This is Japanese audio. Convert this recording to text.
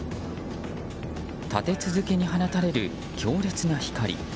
立て続けに放たれる強烈な光。